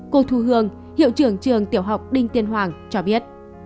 cô thu hương hiệu trưởng trường tiểu học đinh tiên hoàng cho biết